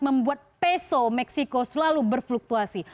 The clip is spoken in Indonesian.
membuat peso meksiko selalu berfluktuasi